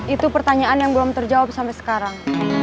itu pertanyaan yang belum terjawab sampai sekarang